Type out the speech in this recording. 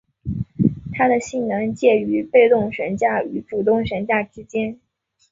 它的性能介于被动悬架与主动悬架之间。